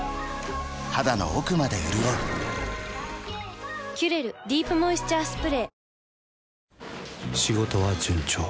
肌の奥まで潤う「キュレルディープモイスチャースプレー」